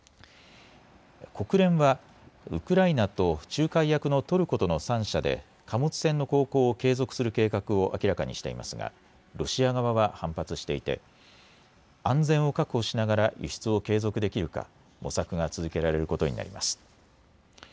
国連はウクライナと仲介役のトルコとの３者で貨物船の航行を継続する計画を明らかにしていますがロシア側は反発していて安全を確保しながら輸出を継続できるか模索が続けられることになります。